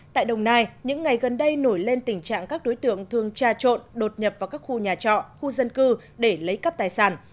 tại đồng nai những ngày gần đây nổi lên tình trạng các đối tượng thường tra trộn đột nhập vào các khu nhà trọ khu dân cư để lấy cắp tài sản